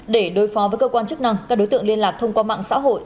để đối phó với cơ quan chức năng các đối tượng liên lạc thông qua mạng xã hội